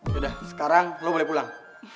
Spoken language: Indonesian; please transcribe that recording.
udah sekarang lo boleh pulang